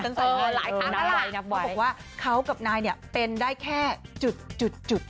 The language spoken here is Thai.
ตั้งแต่หลายครั้งน่ะล่ะเขาบอกว่าเขากับนายเนี่ยเป็นได้แค่จุด